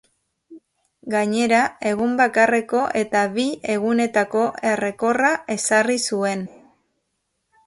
Gainera egun bakarreko eta bi egunetako errekorra ezarri zuen.